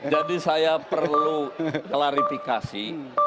jadi saya perlu klarifikasi